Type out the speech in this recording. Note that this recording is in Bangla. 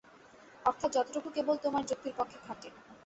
অর্থাৎ যতটুকু কেবল তোমার যুক্তির পক্ষে খাটে।